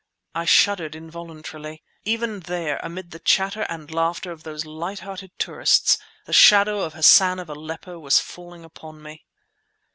I shuddered involuntarily. Even there, amid the chatter and laughter of those light hearted tourists, the shadow of Hassan of Aleppo was falling upon me.